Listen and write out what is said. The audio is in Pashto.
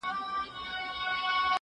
زه اوس د کتابتون لپاره کار کوم!!